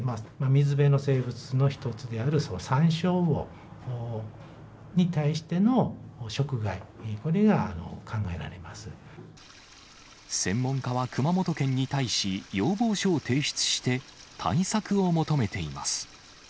水辺の生物の一つであるサンショウウオに対しての食害、これが考専門家は熊本県に対し、要望書を提出して対策を求めています。